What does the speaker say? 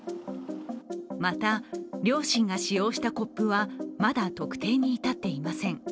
また、両親が使用したコップはまだ特定に至っていません。